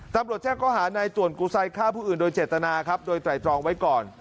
ตำรวจแจ้งข้อหานายจวนกูไซฆ่าผู้อื่นโดยเจตนาครับโดยไตรตรองไว้ก่อน